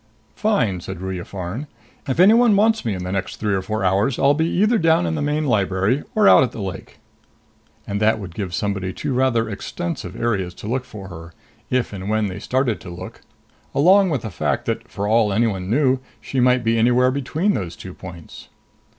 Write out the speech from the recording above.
"Fine," said Ruya Farn. "If anyone wants me in the next three or four hours, I'll be either down in the main library or out at the lake." And that would give somebody two rather extensive areas to look for her, if and when they started to look along with the fact that, for all anyone knew, she might be anywhere between those two points.